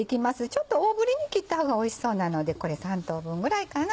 ちょっと大ぶりに切った方がおいしそうなのでこれ３等分ぐらいかな？